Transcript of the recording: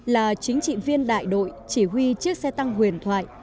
là chính trị viên đại đội chỉ huy chiếc xe tăng huyền thoại